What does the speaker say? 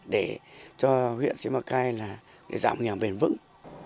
để cho huyện sĩ mạng cai giảm nghèo bền vững